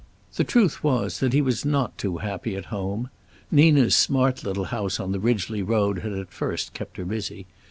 The truth was that he was not too happy at home. Nina's smart little house on the Ridgely Road had at first kept her busy.